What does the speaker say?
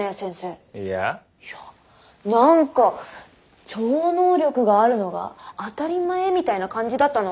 いやなんか超能力があるのが当たり前みたいな感じだったの。